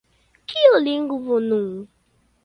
Kiu lingvo nun?